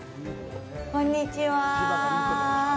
こんにちは。